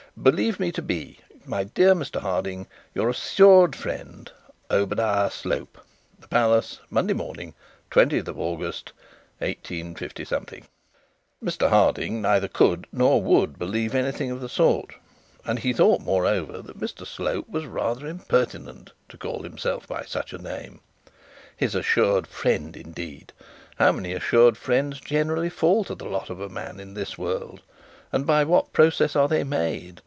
"Believe me to be, My dear Mr Harding, Your assured friend, OBH. SLOPE "The Palace, Monday morning, "20th August, 185 " Mr Harding neither could nor would believe anything of the sort; and he thought, moreover, that Mr Slope was rather impertinent to call himself by such a name. His assured friend, indeed! How many assured friends generally fall to the lot of a man in this world? And by what process are they made?